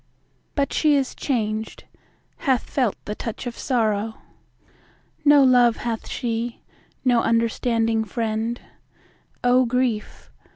10 But she is changed,—hath felt the touch of sorrow, No love hath she, no understanding friend; O grief!